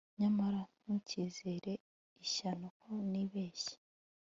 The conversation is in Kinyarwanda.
nyamara ntukizere, ishyano! ko nibeshye